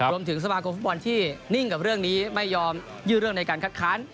รวมถึงสมาคมฟุตบอลที่นิ่งกับเรื่องนี้ไม่ยอมยืดเรื่องในการคัดค้าน